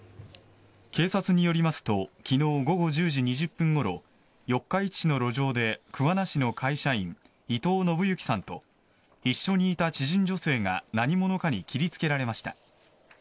警察によりますと昨日午後１０時２０分ごろ四日市市の路上で桑名市の会社員伊藤信幸さんと一緒にいた知人女性が何者かに切りつけられました。